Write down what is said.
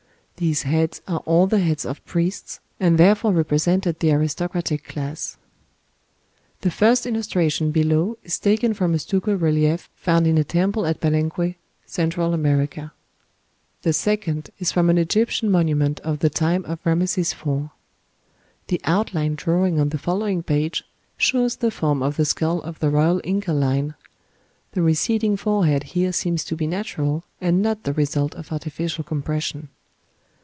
These heads are all the heads of priests, and therefore represented the aristocratic class. The first illustration below is taken from a stucco relief found in a temple at Palenque, Central America. The second is from an Egyptian monument of the time of Rameses IV. The outline drawing on the following page shows the form of the skull of the royal Inca line: the receding forehead here seems to be natural, and not the result of artificial compression.